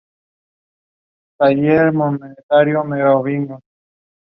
The film was not positively received by critics.